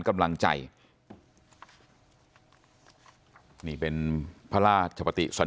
ท่านผู้ชมครับ